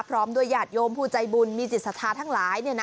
พร้อมด้วยหยาดโยมผู้ใจบุญมีจิตศาสตร์ทั้งหลาย